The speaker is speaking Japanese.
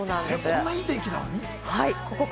こんないい天気なのに？